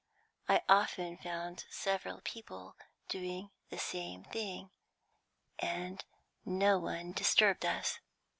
I often found several people doing the same thing, and no one disturbed us.